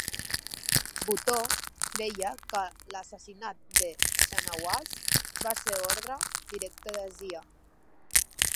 Bhutto creia que l'assassinat de Shahnawaz va ser una ordre directa de Zia.